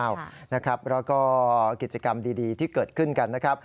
แล้วก็กิจกรรมดีที่เกิดขึ้นกันนะครับ